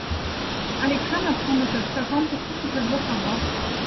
Alexanne apprend de sa tante tout ce qu'elle doit savoir.